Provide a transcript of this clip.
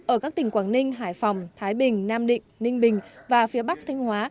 ở các tỉnh quảng ninh hải phòng thái bình nam định ninh bình và phía bắc thanh hóa